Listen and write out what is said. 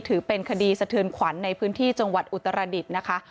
ถือเป็นคดีสะเทือนขวัญในพื้นที่จังหวัดอุตรดิษฐ์นะคะ